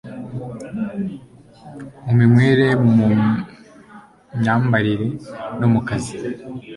mu minywere mu myambarire no mu kazi